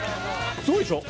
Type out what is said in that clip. すごいでしょ？